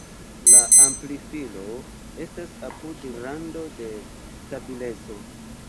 La amplifilo estas apud rando de stabileco.